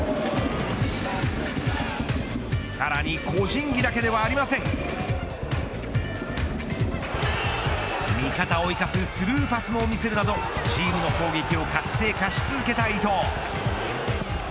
さらに個人技だけではありません味方を生かすスルーパスも見せるなどチームの攻撃を活性化し続けた伊東。